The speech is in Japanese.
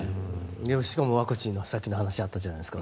しかも、ワクチンの話がさっきあったじゃないですか。